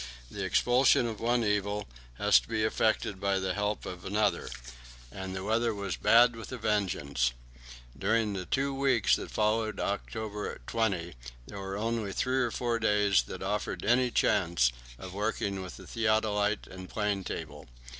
The expulsion of one evil has to be effected by the help of another; and the weather was bad with a vengeance. During the two weeks that followed October 20 there were only three or four days that offered any chance of working with the theodolite and plane table.